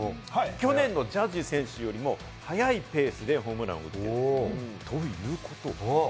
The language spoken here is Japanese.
去年のジャッジ選手よりも早いペースでホームランを打っているということ。